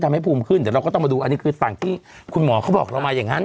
ทำให้ภูมิขึ้นเดี๋ยวเราก็ต้องมาดูอันนี้คือฝั่งที่คุณหมอเขาบอกเรามาอย่างนั้น